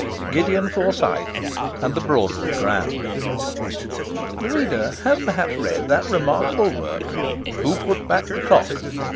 Gideon Forsyth and the Broadwood Grand The reader has perhaps read that remarkable work, Who Put Back the Clock?